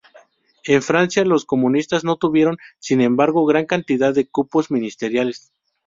En Francia los comunistas no tuvieron, sin embargo, gran cantidad de cupos ministeriales.